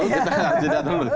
kita lanjutkan dulu